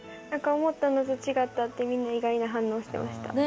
思ってたのと違ったって意外な反応してました。